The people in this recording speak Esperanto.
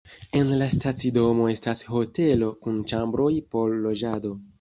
En la stacidomo estas hotelo kun ĉambroj por loĝado.